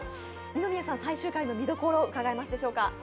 二宮さん、最終回の見どころを伺えますでしょうか？